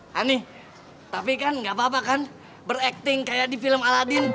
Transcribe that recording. hani tapi kan nggak apa apa kan berakting kayak di film aladin